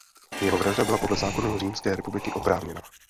Jeho vražda byla podle zákonů Římské republiky „oprávněná“.